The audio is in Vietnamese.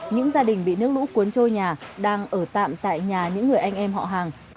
những gia đình bị nước lũ cuốn trôi nhà đang ở tạm tại nhà những người anh em họ hàng